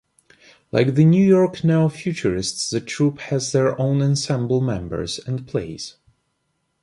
Like the New York Neo-Futurists, the troupe has their own ensemble members and plays.